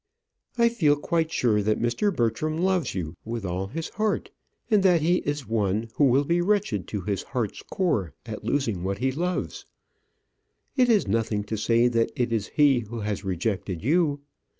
I feel quite sure that Mr. Bertram loves you with all his heart, and that he is one who will be wretched to his heart's core at losing what he loves. It is nothing to say that it is he who has rejected you.